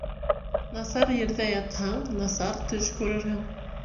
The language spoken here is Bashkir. Насар ерҙә ятһаң, насар төш күрерһең.